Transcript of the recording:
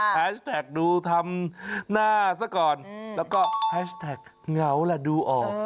แฮชแท็กดูทำหน้าซะก่อนแล้วก็แฮชแท็กเหงาแหละดูออก